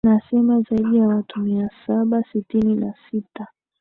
nasema zaidi ya watu mia saba sitini na sita